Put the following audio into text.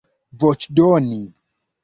voĉdoni